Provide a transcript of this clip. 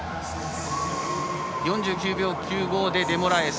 ４９秒９５でデモラエス。